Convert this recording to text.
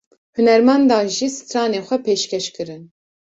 Hunermendan jî stranên xwe pêşkêş kirin.